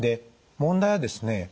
問題はですね